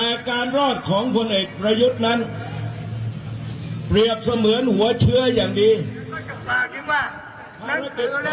แต่การรอดของพลเอกประยุทธ์นั้นเปรียบเสมือนหัวเชื้ออย่างดี